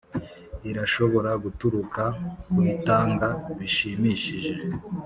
irashobora guturuka kubitanga bishimishije.